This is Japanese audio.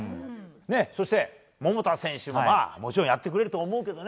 そして桃田選手も、もちろんやってくれると思うけどね。